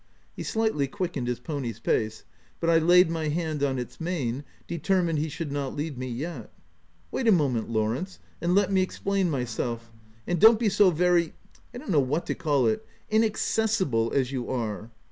He slightly quick ened his pony's pace, but I laid my hand on its mane, determined he should not leave me yet. " Wait a moment, Lawrence, and let me ex plain myself; and don't be so very — I don't know what to call it — inaccessible as you are.